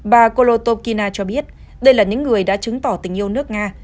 bà colotokina cho biết đây là những người đã chứng tỏ tình yêu nước nga